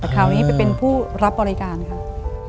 คราวนี้เป็นผู้รับบริการครับ